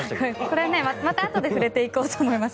これはまたあとで触れていこうと思います。